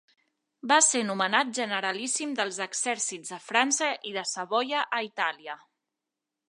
Va ser nomenat generalíssim dels exèrcits de França i de Savoia a Itàlia.